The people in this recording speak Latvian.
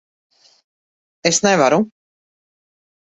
Es nevaru.